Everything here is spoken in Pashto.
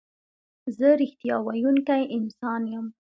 زه رښتیا ویونکی انسان یم.